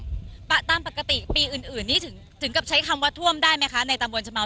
ปะตามปกติปีอื่นอื่นนี้ถึงถึงกับใช้คำว่าท่วมได้ไหมคะในตำวนชะเมา